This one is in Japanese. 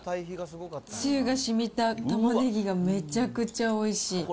つゆがしみたたまねぎがめちゃくちゃおいしい。